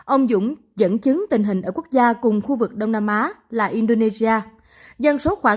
ông dũng dẫn chứng tình hình ở quốc gia cùng khu vực đông nam á là indonesia